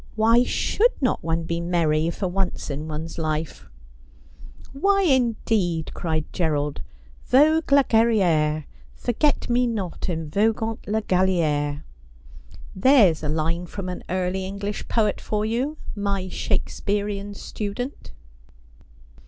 ' Why should not one be merry for once in one's life ?' 200 Aspliodel. ' Why indeed ?' cried Gerald, ' Vogue la galere. " Forget me not, en vogant la gnlere." There's a line from an early English poet for you, my Shake spearian student.'